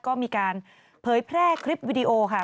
ก็มีการเผยแพร่คลิปวิดีโอค่ะ